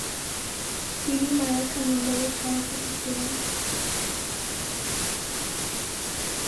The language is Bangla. তিনি মারাঠা মন্ডলের সহসভাপতি ছিলেন।